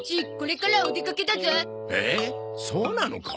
えっそうなのか？